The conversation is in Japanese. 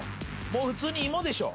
もう普通に芋でしょ。